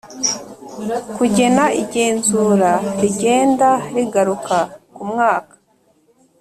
Kugena igenzura rigenda rigaruka ku mwaka